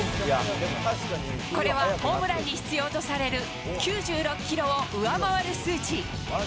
これはホームランに必要とされる９６キロを上回る数値。